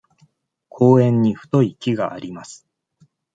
公園に太い木があります。